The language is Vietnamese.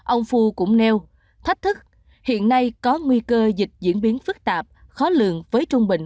ông phu cũng nêu thách thức hiện nay có nguy cơ dịch diễn biến phức tạp khó lường với trung bình